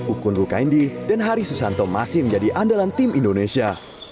ukun rukendi dan hari susanto masih menjadi andalan tim indonesia